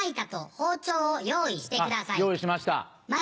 用意しました。